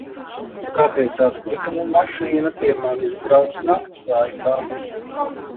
Kāpēc atkritumu mašīna pie manis brauc nakts laikā?